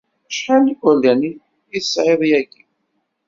Acḥal n yigerdan ay tesɛiḍ yagi?